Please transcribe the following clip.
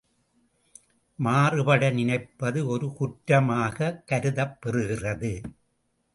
மாறுபட நினைப்பது ஒரு குற்றமாகக் கருதப் பெறுகிறது.